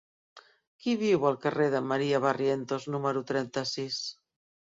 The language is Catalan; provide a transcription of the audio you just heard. Qui viu al carrer de Maria Barrientos número trenta-sis?